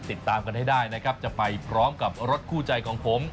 ติดตามกันให้ได้นะครับจะไปพร้อมกับรถคู่ใจของผม